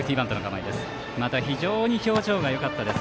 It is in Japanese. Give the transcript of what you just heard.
非常に表情がよかったです